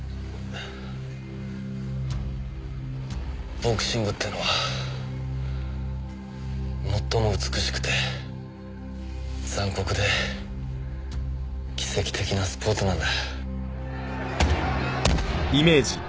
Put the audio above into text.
ボクシングってのは最も美しくて残酷で奇跡的なスポーツなんだ。